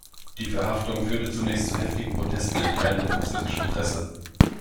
Die Verhaftung führte zunächst zu heftigen Protesten in Teilen der französischen Presse.